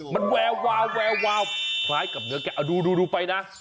มันแวววาวแวววาวคล้ายกับเนื้อแกเอาดูไปนะ